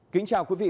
kính chào quý vị